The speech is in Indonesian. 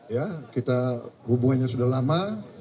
ya kita hubungannya sudah lama